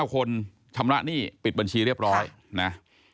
๙คนชำระหนี้ปิดบัญชีเรียบร้อยนะ